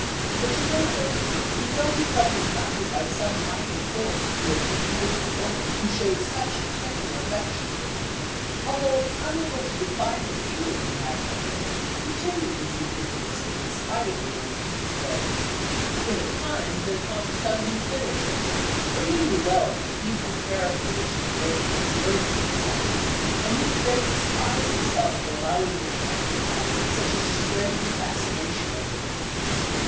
But Gennaro, who felt himself attracted by some mighty force towards the beautiful woman who showed such tender affection for him, although unable to define the feeling he had for her, continued his new intimacy in spite of the warnings of his friends; yet at times their taunts stung him bitterly, for he knew well the evil character which Lucrezia had earned for herself, and he would then despise himself for allowing her to exercise such a strange fascination over him.